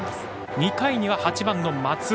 ２回には８番の松尾。